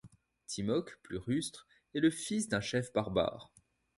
Timok, plus rustre, est le fils d'un chef barbare.